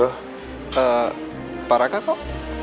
eh parahkah kok